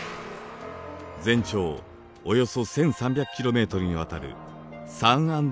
全長およそ１，３００ｋｍにわたる「サンアンドレアス断層」です。